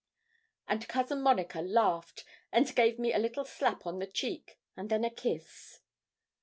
And Cousin Monica laughed, and gave me a little slap on the cheek, and then a kiss.